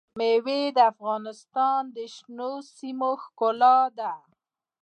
مېوې د افغانستان د شنو سیمو ښکلا ده.